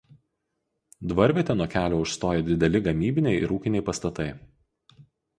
Dvarvietę nuo kelio užstoja dideli gamybiniai ir ūkiniai pastatai.